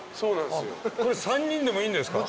これ３人でもいいんですか？